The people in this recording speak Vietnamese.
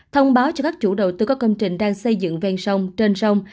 thông báo cho các chủ đầu tư có công trình đang xây dựng ven sông trên sông